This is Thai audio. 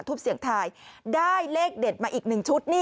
ทุบเสี่ยงทายได้เลขเด่นมาอีก๑ชุด